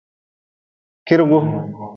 Kirgu.